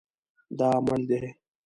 دا مړ دی